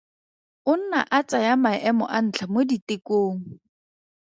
O nna a tsaya maemo a ntlha mo ditekong.